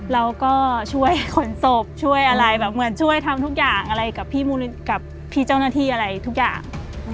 เราก็ช่วยขนศพช่วยอะไรแบบเหมือนช่วยทำทุกอย่างอะไรกับพี่มูลกับพี่เจ้าหน้าที่อะไรทุกอย่าง